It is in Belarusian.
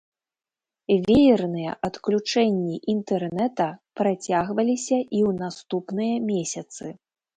Веерныя адключэнні інтэрнета працягваліся і ў наступныя месяцы.